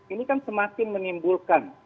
ini kan semakin menimbulkan